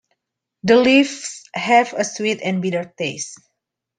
The leaves have a sweet and bitter taste.